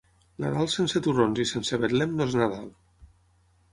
Nadal sense torrons i sense Betlem no és Nadal.